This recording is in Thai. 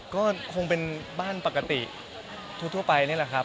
ก็คงเป็นบ้านปกติทั่วไปนี่แหละครับ